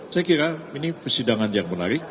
saya kira ini persidangan yang menarik